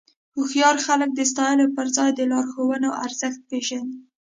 هوښیار خلک د ستایلو پر ځای د لارښوونو ارزښت پېژني.